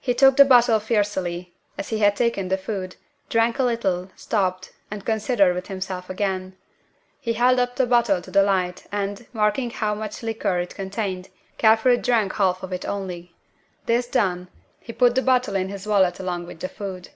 He took the bottle fiercely, as he had taken the food, drank a little, stopped, and considered with himself again. He held up the bottle to the light, and, marking how much liquor it contained, carefully drank half of it only. This done, he put the bottle in his wallet along with the food.